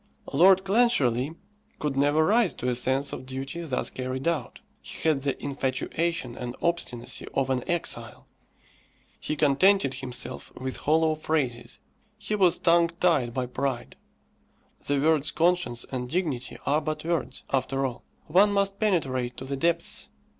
Lord Clancharlie could never rise to a sense of duty thus carried out. He had the infatuation and obstinacy of an exile. He contented himself with hollow phrases. He was tongue tied by pride. The words conscience and dignity are but words, after all. One must penetrate to the depths.